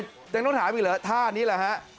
แจ้งต้องถามอีกเลยท่านี้เลยครับ